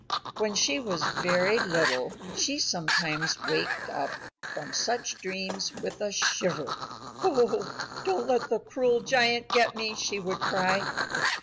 When she was very little she sometimes waked up from such dreams with a shiver. "O, don't let the cruel giant get me," she would cry.